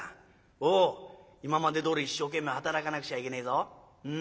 おお今までどおり一生懸命働かなくちゃいけねえぞ。